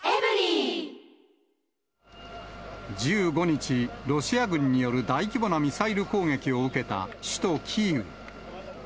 １５日、ロシア軍による大規模なミサイル攻撃を受けた首都キーウ。